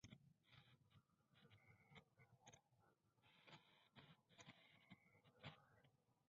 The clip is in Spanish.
Seon-min comienza especulando que la profesora de música ha causado la muerte de Young-eon.